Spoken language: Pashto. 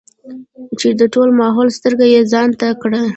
چې د ټول ماحول سترګې يې ځان ته کړې ـ